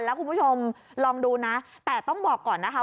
แล้วคุณผู้ชมลองดูนะแต่ต้องบอกก่อนนะคะ